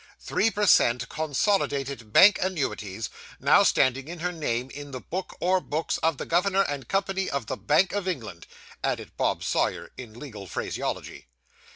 'Three per cent. consolidated bank annuities, now standing in her name in the book or books of the governor and company of the Bank of England,' added Bob Sawyer, in legal phraseology.